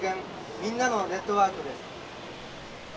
・みんなのネットワークです。